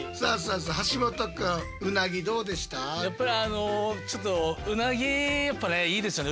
やっぱりあのちょっとうなぎやっぱいいですよね。